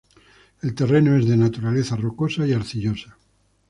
El terreno es de naturaleza rocosa y arcillosa.